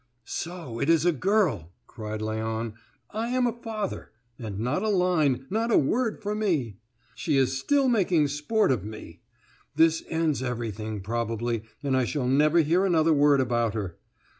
"So it is a girl!" cried Léon. "I am a father and not a line, not a word for me! She is still making sport of me! This ends everything, probably, and I shall never hear another word about her.